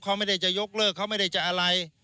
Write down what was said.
เขาไม่ได้จะยกเลิกเขาไม่ได้จะอะไร